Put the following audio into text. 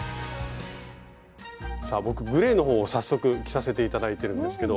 さあ僕グレーのほうを早速着させて頂いてるんですけど